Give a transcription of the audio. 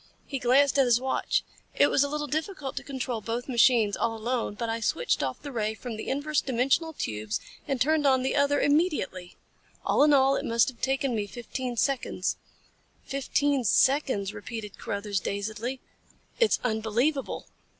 He glanced at his watch. "It was a little difficult to control both machines all alone, but I switched off the ray from the inverse dimensional tubes and turned on the other immediately. All in all it must have taken me fifteen seconds." "Fifteen seconds," repeated Carruthers, dazedly. "It's unbelievable."